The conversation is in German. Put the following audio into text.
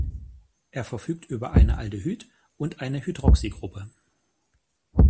Er verfügt über eine Aldehyd- und eine Hydroxygruppe.